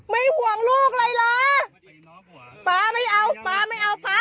ไม่ห่วงลูกเลยนะ